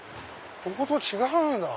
ここと違うんだ！